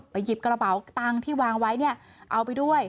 หยิบกระเป๋าตังค์ที่วางไว้เนี่ยเอาไปด้วย